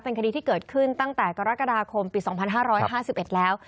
คดีที่เกิดขึ้นตั้งแต่กรกฎาคมปี๒๕๕๑แล้ว